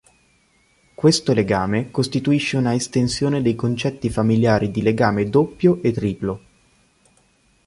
Questo legame costituisce una estensione dei concetti familiari di legame doppio e triplo.